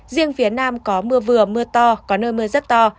riêng phía nam có mưa vừa mưa to có nơi mưa rất to